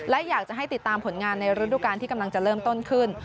และอยากจะให้ติดตามผลงานในฤดูการที่กำลังจะเริ่มต้นขึ้น